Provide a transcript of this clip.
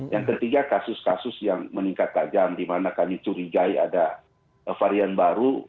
yang ketiga kasus kasus yang meningkat tajam di mana kami curigai ada varian baru